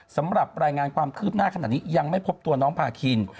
สำหรับรายงานความคืบหน้าขนาดนี้ยังไม่พบตัวน้องพาคิน